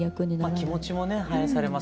気持ちもね反映されます。